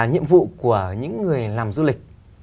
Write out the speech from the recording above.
nhiệm vụ của những người làm du lịch